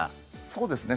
そうですね。